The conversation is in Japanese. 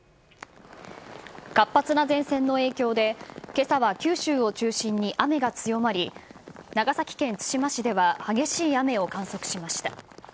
活発な前線の影響で、けさは九州を中心に雨が強まり、長崎県対馬市では激しい雨を観測しました。